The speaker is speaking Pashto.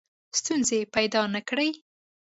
ستونزې پیدا نه کړي.